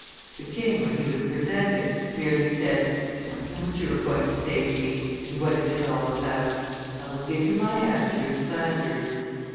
The king, when he was presented, merely said, 'I know what you are going to say to me, and what it is all about. I will give you my answer in Flanders.